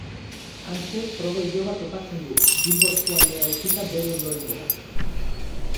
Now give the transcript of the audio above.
Hantxe Frodo iloba topatzen du, Bilbo eskualdea utzita bere ondorengoa.